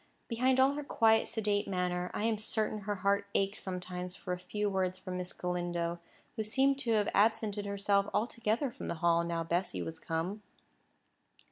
Behind all her quiet, sedate manner, I am certain her heart ached sometimes for a few words from Miss Galindo, who seemed to have absented herself altogether from the Hall now Bessy was come.